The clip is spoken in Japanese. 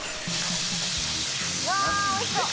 うわおいしそう！